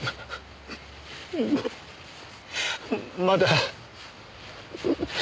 まだ。